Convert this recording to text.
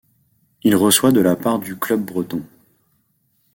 Il reçoit de la part du club breton.